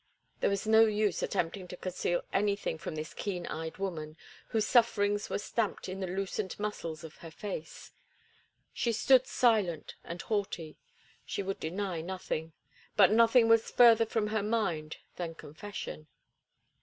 There was no use attempting to conceal anything from this keen eyed woman, whose sufferings were stamped in the loosened muscles of her face. She stood silent and haughty. She would deny nothing, but nothing was further from her mind than confession.